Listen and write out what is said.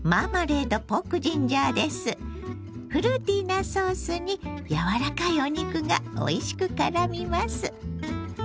フルーティーなソースに柔らかいお肉がおいしくからみます。